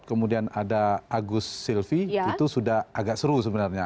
kemudian ada agus silvi itu sudah agak seru sebenarnya